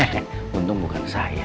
he he untung bukan saya